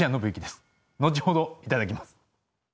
後ほど頂きます。